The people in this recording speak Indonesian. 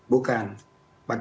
bukan enam puluh ya pak ya